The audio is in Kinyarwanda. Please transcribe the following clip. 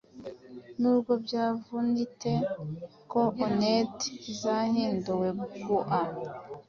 nubwo byavunite - ko onnet zahinduwe gua,